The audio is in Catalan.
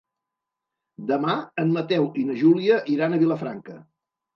Demà en Mateu i na Júlia iran a Vilafranca.